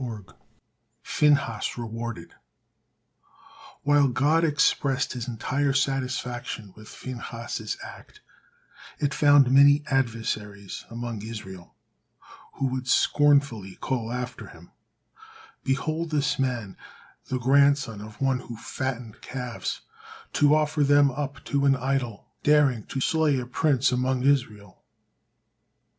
PHINEHAS REWARDED While God expressed His entire satisfaction with Phinehas's act, if found many adversaries among Israel, who would scornfully call after him, "Behold, this man, the grandson of one who fattened calves to offer them up to an idol, daring to slay a prince among Israel!"